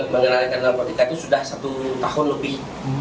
mengenakan narkotika itu sudah satu tahun lebih